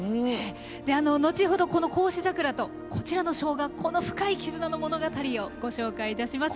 後ほど、この孝子桜とこちらの小学校の深い絆の物語をご紹介いたします。